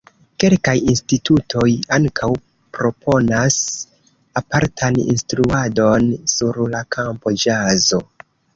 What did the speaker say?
Kelkaj institutoj ankaŭ proponas apartan instruadon sur la kampo ĵazo.